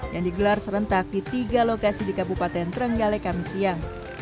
yang digelar serentak di tiga lokasi di kabupaten trenggale kami siang